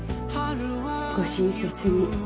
ご親切に。